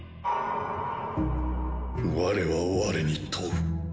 我は我に問う。